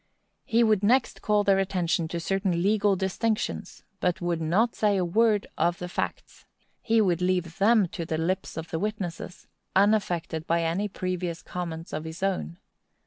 He would next call their attention to certain legal distinctions, but would not say a word of the facts; he would leave them to the lips of the witnesses, unaffected by any previous comments of his own.